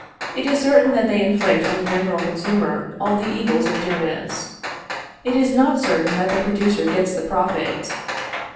It is certain that they inflict on the consumer all the evils of dearness. It is not certain that the producer gets the profit.